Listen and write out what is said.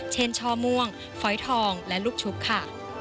ช่อม่วงฟอยทองและลูกชุบค่ะ